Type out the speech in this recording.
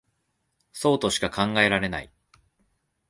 そうとしか考えられない